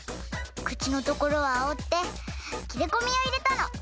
くちのところはおってきれこみをいれたの。